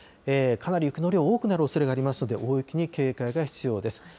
かなり雪の量、多くなるおそれがありますので、大雪に警戒が必要です。